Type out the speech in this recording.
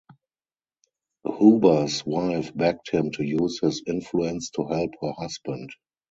Huber's wife begged him to use his influence to help her husband.